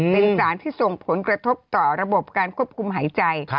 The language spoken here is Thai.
เป็นสารที่ส่งผลกระทบต่อระบบการควบคุมหายใจ